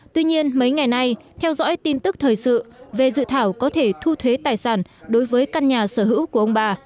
tuy nhiên mấy ngày nay theo dõi tin tức thời sự về dự thảo có thể thu thuế tài sản đối với căn nhà sở hữu của ông bà